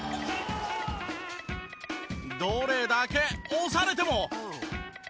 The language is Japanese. どれだけ押されても。